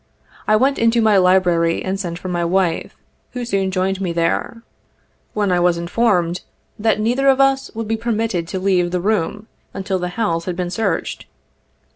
I went into my library and sent for my wife, who soon joined me there, when I was 2 8 informed that neither of us would be permitted to leave the room until the house had been searched.